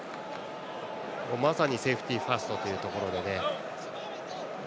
まさにセーフティーファーストというところで。